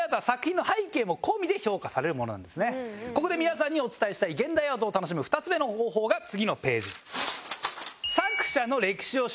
さあこのようにここで皆さんにお伝えしたい現代アートを楽しむ２つ目の方法が次のページ。